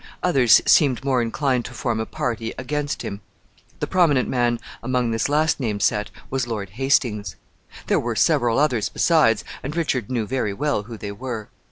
Others seemed more inclined to form a party against him. The prominent man among this last named set was Lord Hastings. There were several others besides, and Richard knew very well who they were.